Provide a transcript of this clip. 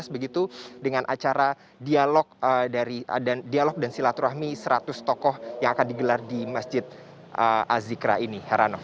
begitu dengan acara dialog dan silaturahmi seratus tokoh yang akan digelar di masjid azikra ini heranov